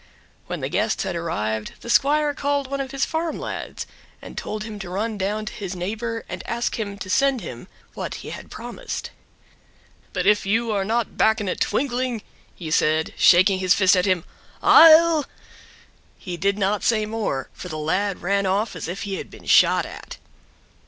When the guests had arrived the squire called one of his farm lads and told him to run down to his neighbor and ask him to send him what he had promised. "But if you are not back in a twinkling," he said, shaking his fist at him, "I'll—" He did not say more, for the lad ran off as if he had been shot at.